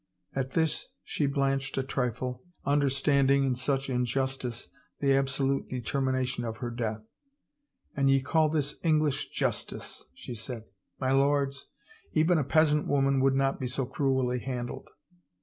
At this she blanched a trifle, understanding in such in justice the absolute determination of her death. *' An ye call this English justice !" she said. " My lords, even a peasant woman would not be so cruelly handled